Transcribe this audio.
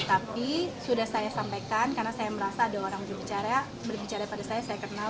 tapi sudah saya sampaikan karena saya merasa ada orang berbicara berbicara pada saya saya kenal